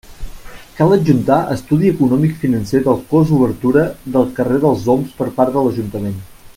Cal adjuntar estudi econòmic financer del cost obertura del carrer dels Oms per part de l'ajuntament.